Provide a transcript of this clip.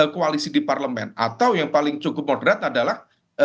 koalisi di parlemen atau yang paling cukup moderat adalah